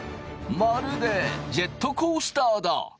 まるでジェットコースターだ！